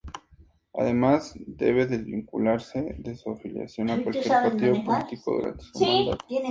Además, debe desvincularse de su afiliación a cualquier partido político durante su mandato.